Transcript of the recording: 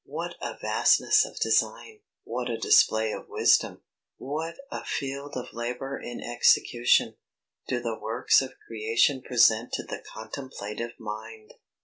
What a vastness of design! What a display of wisdom! What a field of labour in execution, do the works of creation present to the contemplative mind!